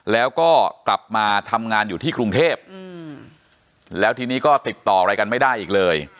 แล้วก็กลับมาทำงานอยู่ที่กรุงเทพแล้วทีนี้ก็ติดต่ออะไรกันไม่ได้อีกเลย